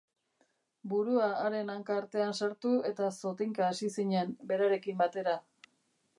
Burua haren hanka artean sartu eta zotinka hasi zinen, berarekin batera.